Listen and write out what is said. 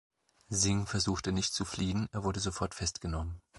Singh versuchte nicht zu fliehen, er wurde sofort festgenommen.